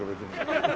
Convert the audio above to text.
ハハハハ！